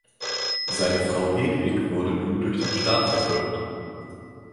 Seine Frau Hedwig wurde nun durch den Staat verfolgt.